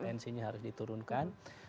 tensinya harus diturunkan